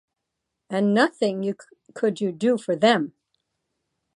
And nothing could you do for them!